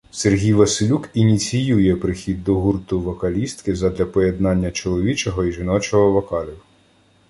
Сергій Василюк ініціює прихід до гурту вокалістки задля поєднання чоловічого і жіночого вокалів.